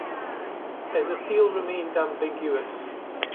His appeal remained ambiguous.